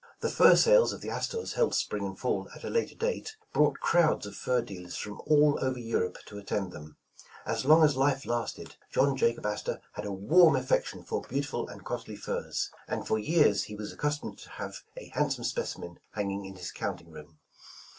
The fur sales of the Astors held spring and fall at a later date, brought crowds of fur dealers from all over Europe to attend them. As long as life lasted, John Jacob Astor had a warm affection for beautiful and costly furs, and for years was accus tomed to have a handsome specimen hanging in his counting room.